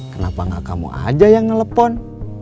kenapa gak kamu aja yang nelpon